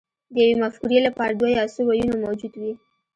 د یوې مفکورې لپاره دوه یا څو ویونه موجود وي